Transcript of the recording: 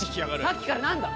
さっきからなんだ？